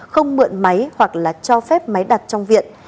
không mượn máy hoặc là cho phép máy đặt trong viện